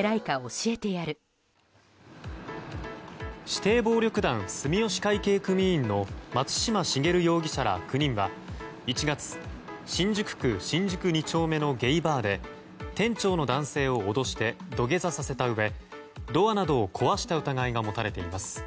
指定暴力団住吉会系組員の松嶋重容疑者ら９人は、１月新宿区新宿２丁目のゲイバーで店長の男性を脅して土下座させたうえドアなどを壊した疑いが持たれています。